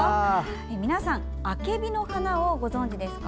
皆さん、アケビの花のご存じですか？